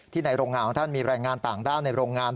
ในโรงงานของท่านมีแรงงานต่างด้าวในโรงงาน